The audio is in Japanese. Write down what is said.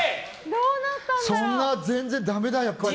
そんな全然だめだ、やっぱり。